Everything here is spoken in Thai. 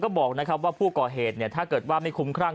ก็บอกว่าผู้ก่อเหตุถ้าไม่คุ้มครั้ง